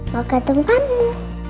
mau ketemu kamu